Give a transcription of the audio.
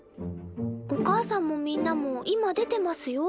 おかあさんもみんなも今出てますよ。